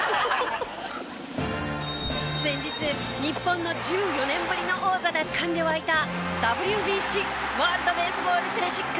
先日日本の１４年ぶりの王座奪還で沸いたＷＢＣワールドベースボールクラシック。